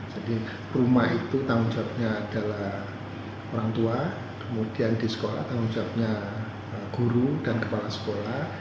jadi rumah itu tanggung jawabnya adalah orang tua kemudian di sekolah tanggung jawabnya guru dan kepala sekolah